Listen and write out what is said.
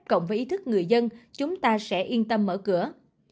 cộng với ý thức người dân chúng ta sẽ yên tâm mở cửa